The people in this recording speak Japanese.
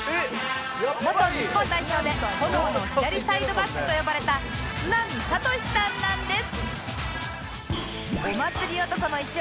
元日本代表で炎の左サイドバックと呼ばれた都並敏史さんなんです